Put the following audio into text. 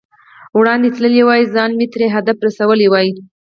وړاندې تللی وای، ځان مې تر هدف رسولی وای.